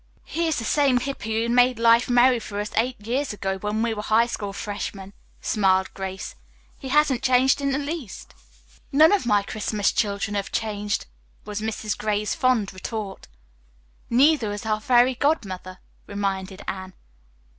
"He is the same Hippy who made life merry for us eight years ago when we were high school freshmen," smiled Grace. "He hasn't changed in the least." "None of my Christmas children have changed," was Mrs. Gray's fond retort. "Neither has our fairy godmother," reminded Anne.